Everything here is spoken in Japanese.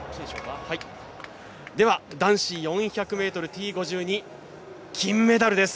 男子４００ｍＴ５２金メダルです。